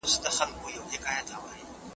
خبریال پرون له پېښې څخه ویډیو واخیسته.